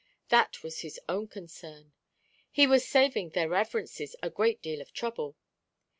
That was his own concern. He was saving "their reverences" a great deal of trouble.